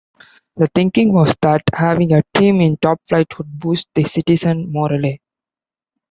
The thinking was that having a team in top-flight would boost the citizens' morale.